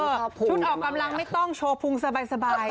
ชุดออกกำลังไม่ต้องโชว์พุงสบาย